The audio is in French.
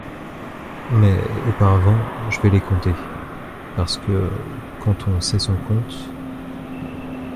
Mais, auparavant, je vais les compter… parce que, quand on sait son compte…